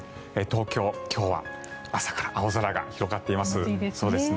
東京、今日は朝から青空が広がっています。